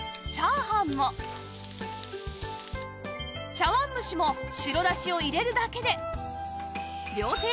茶碗蒸しも白だしを入れるだけで